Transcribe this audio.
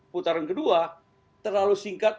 putaran kedua terlalu singkat